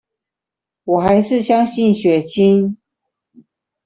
我還是相信血親